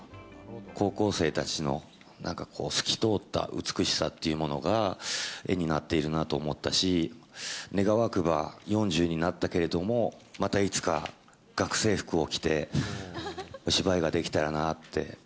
高校生たちのなんかこう、透き通った美しさっていうものが絵になっているなと思ったし、願わくば４０になったけれども、またいつか、学生服を着てお芝居ができたらなって。